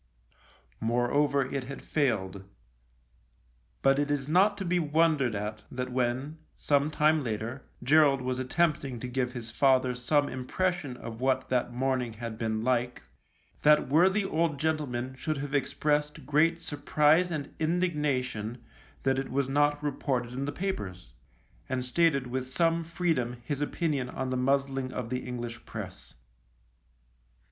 Moreover, it had failed. But it is not to be wondered at that when, some time later, Gerald was attempting THE LIEUTENANT 39 to give his father some impression of what that morning had been like that worthy old gentleman should have expressed great sur prise and indignation that it was not reported in the papers, and stated with some freedom his opinion on the muzzling of the English Press.